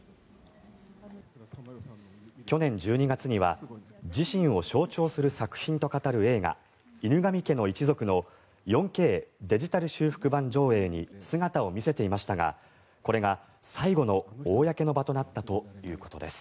去年１２月には自身を象徴する作品と語る映画「犬神家の一族」の４Ｋデジタル修復版上映に姿を見せていましたがこれが最後の公の場となったということです。